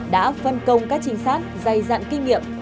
đã phân công các trinh sát dày dặn kinh nghiệm